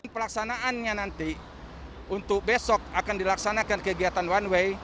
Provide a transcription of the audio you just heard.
pelaksanaannya nanti untuk besok akan dilaksanakan kegiatan one way